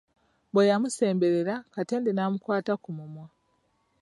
Bwe yamusemberera, Katende n'amukwata ku mumwa.